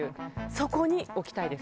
そこに置きたいです。